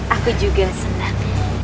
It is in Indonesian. aku juga senang